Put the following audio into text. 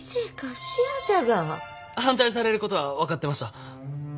反対されることは分かってました。